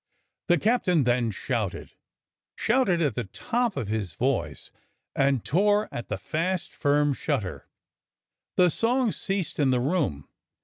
The captain then shouted, shouted at the top of his voice, and tore at the fast, firm shutter. The song ceased in the room.